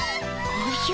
おじゃ。